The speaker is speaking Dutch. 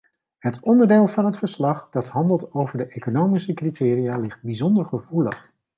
Het onderdeel van het verslag dat handelt over de economische criteria, ligt bijzonder gevoelig.